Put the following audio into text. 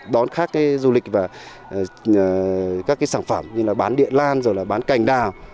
đón khác cái du lịch và các cái sản phẩm như là bán địa lan rồi là bán cành đào